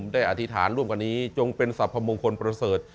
อธิษฐานร่วมกันนี้จงเป็นสรรพมงคลประเสริฐ